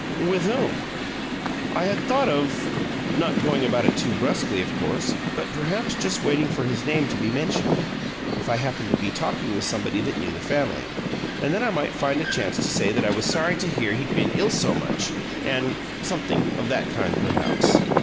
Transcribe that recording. "With whom?" "I had thought of not going about it too brusquely, of course, but perhaps just waiting for his name to be mentioned, if I happened to be talking with somebody that knew the family and then I might find a chance to say that I was sorry to hear he'd been ill so much, and Something of that kind perhaps?"